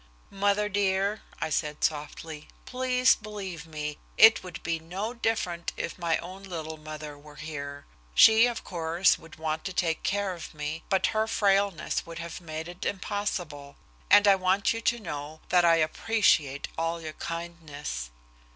"Mother dear," I said softly, "please believe me, it would be no different if my own little mother were here. She, of course, would want to take care of me, but her frailness would have made it impossible. And I want you to know that I appreciate all your kindness."